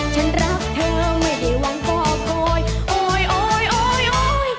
ฉันรักเธอไม่ได้หวังปอกโกยโอ๊ยโอ๊ยโอ๊ยโอ๊ย